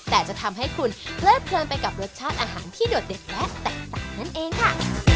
แต่จะทำให้คุณเพลิดเพลินไปกับรสชาติอาหารที่โดดเด็ดและแตกต่างนั่นเองค่ะ